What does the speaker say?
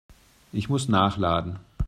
Ich muss nachladen.